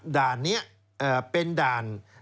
ด่านนี้เป็นด่าน